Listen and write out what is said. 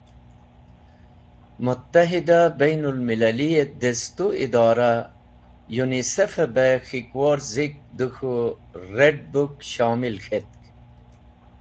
Muttahida Bain ul Millali destu Idorah UNICEF e be K̃hikwor Zik de K̃hu ‘Red Book’ shomil k̃hetk.